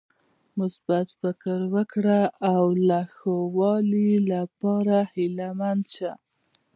مثبت فکر وکړه او د لا ښوالي لپاره هيله مند شه .